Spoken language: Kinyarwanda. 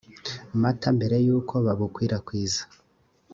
mata mbere yuko babukwirakwiza